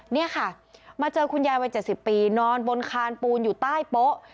นี่ค่ะมาเจอคุณยายวัย๗๐ปีนอนบนคานปูนอยู่ใต้โป๊ะ